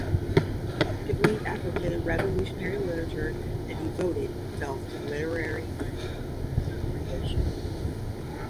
He actively advocated revolutionary literature and devoted himself to literary creation.